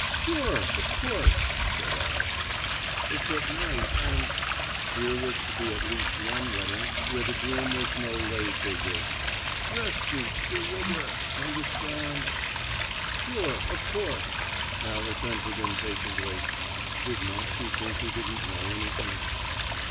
"Sure, of course," said Al. "It's at night, and" here was to be at least one wedding where the groom was no lay figure "dress suits de rigger, understand." "Sure, of course," Al assented impatiently. Did Moxey think he didn't know anything?